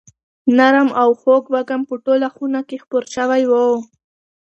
نرم او خوږ وږم په ټوله خونه کې خپور شوی دی.